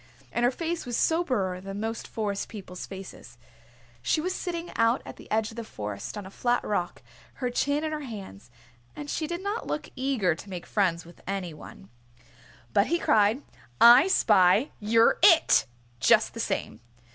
And her face was soberer than most Forest People's faces. She was sitting out at the edge of the Forest on a flat rock, her chin in her hands, and she did not look eager to make friends with any one. But he cried, "I spy! You're It!" just the same.